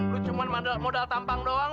lu cuma modal tampang doang